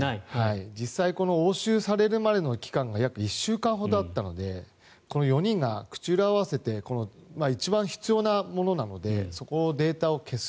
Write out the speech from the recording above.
実際、押収されるまでの期間がおよそ１週間ほどあったのでこの４人が口裏を合わせて一番必要なものなのでそこのデータを消す。